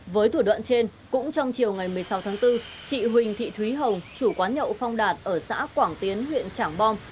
với thủ đoạn trên cũng trong chiều ngày một mươi sáu tháng bốn chị huỳnh thị thúy hồng chủ quán nhậu phong đạt ở xã quảng tiến huyện trảng bom